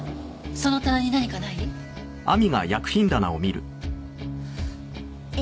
その棚に何かない？